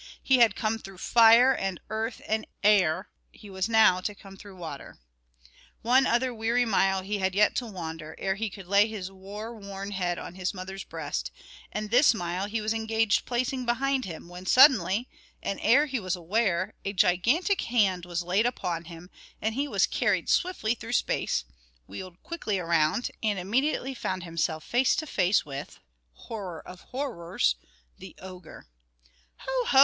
He had come through fire and earth and air; he was now to come through water. One other weary mile he had yet to wander, ere he could lay his war worn head on his mother's breast; and this mile he was engaged placing behind him, when, suddenly, and ere he was aware, a gigantic hand was laid upon him, and he was carried swiftly through space, wheeled quickly round, and immediately found himself face to face with horror of horrors! the ogre. "Ho! ho!